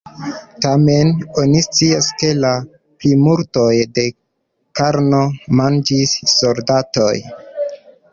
Tamen, oni scias, ke la plimulton de karno manĝis soldatoj.